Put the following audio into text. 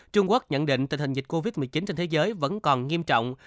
trung quốc nhận định tình hình dịch covid một mươi chín trên thế giới vẫn còn nghiêm trọng